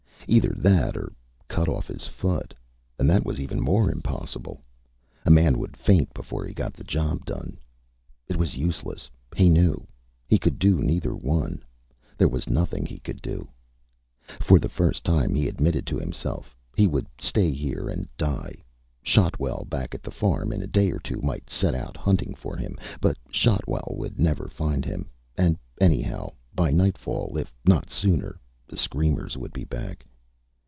Either that or cut off his foot, and that was even more impossible. A man would faint before he got the job done. It was useless, he knew. He could do neither one. There was nothing he could do. For the first time, he admitted to himself: He would stay here and die. Shotwell, back at the farm, in a day or two might set out hunting for him. But Shotwell would never find him. And anyhow, by nightfall, if not sooner, the screamers would be back.